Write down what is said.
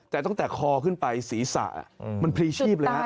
แต่ตั้งแต่คอขึ้นไปศีรษะมันพลีชีพเลยฮะ